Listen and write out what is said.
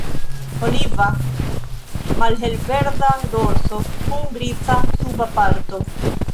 Oliva malhelverda dorso kun griza suba parto.